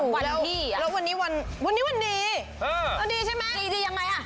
วันที่แล้ววันนี้วันวันนี้วันดีเออวันดีใช่ไหมดีดียังไงอ่ะ